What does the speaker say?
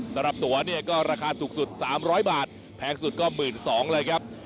ตัวเนี่ยก็ราคาถูกสุด๓๐๐บาทแพงสุดก็๑๒๐๐เลยครับ